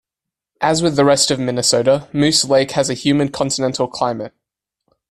As with the rest of Minnesota, Moose Lake has a humid continental climate.